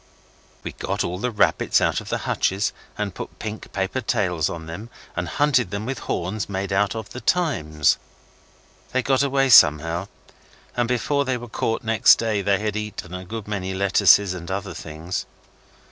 We got all the rabbits out of the hutches and put pink paper tails on to them, and hunted them with horns made out of The Times. They got away somehow, and before they were caught next day they had eaten a good many lettuces and other things.